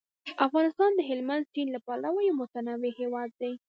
افغانستان د هلمند سیند له پلوه یو متنوع هیواد دی.